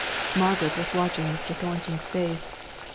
Margaret was watching Mr Thornton's face.